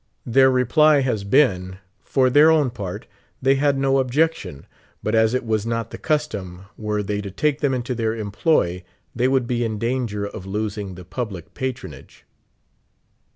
Their replj^ has been : For their own part, they had no objection; but as it was not the custom, were the}' to take them into their employ, thev would be in danger of losing the public patronage.